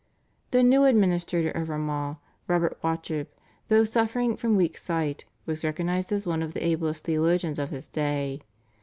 The new administrator of Armagh, Robert Wauchope, though suffering from weak sight, was recognised as one of the ablest theologians of his day.